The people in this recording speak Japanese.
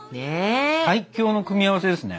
最強の組み合わせですね。